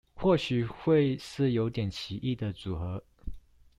或許會是有點奇異的組合